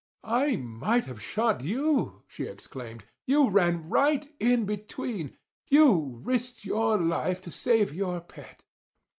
"I might have shot you!" she exclaimed. "You ran right in between. You risked your life to save your pet!